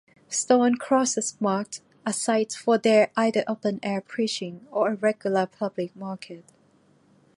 Stone crosses marked a site for either open-air preaching or a regular public market.